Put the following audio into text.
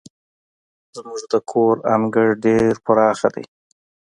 زموږ د کور انګړ ډير پراخه دی.